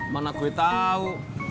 mana gue tahu